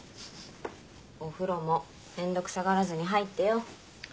お風呂もめんどくさがらずに入ってよ。